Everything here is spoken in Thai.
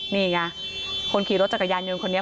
นี่ไงคนขี่รถจักรยานยนต์คนนี้